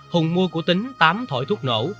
hùng mua cổ tính tám thổi thuốc nổ